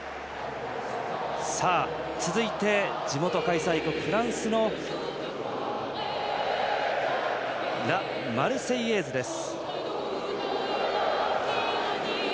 続いて地元開催国フランスの「ラ・マルセイエーズ」です。